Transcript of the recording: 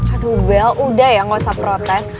aduh bel udah ya nggak usah protes